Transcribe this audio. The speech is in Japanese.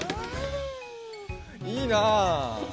いいなあ。